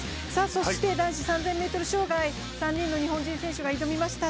そして、男子３０００ｍ障害３人の日本人選手が挑みました。